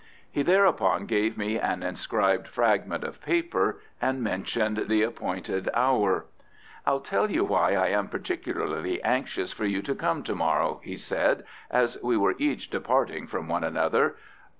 He thereupon gave me an inscribed fragment of paper and mentioned the appointed hour. "I'll tell you why I am particularly anxious for you to come to morrow," he said as we were each departing from one another.